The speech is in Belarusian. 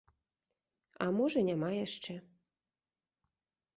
А можа, няма яшчэ.